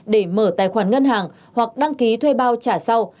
để mở tài khoản ngân hàng hoặc đăng ký thuê bao trả sau